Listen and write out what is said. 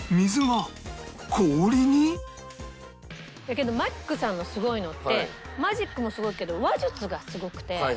けどマリックさんのすごいのってマジックもすごいけど話術がすごくて。